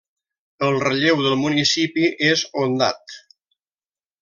El relleu del municipi és ondat.